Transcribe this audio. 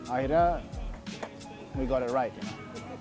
akhirnya kita benar benar benar